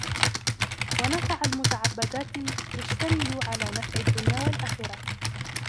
وَنَفْعَ الْمُتَعَبَّدَاتِ يَشْتَمِلُ عَلَى نَفْعِ الدُّنْيَا وَالْآخِرَةِ